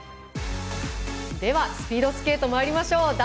ではスピードスケートまいりましょう。